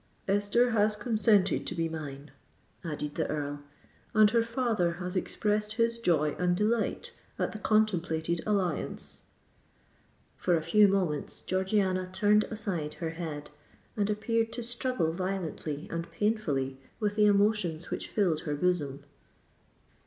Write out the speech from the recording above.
"Esther has consented to be mine," added the Earl; "and her father has expressed his joy and delight at the contemplated alliance." For a few moments Georgiana turned aside her head, and appeared to struggle violently and painfully with the emotions which filled her bosom.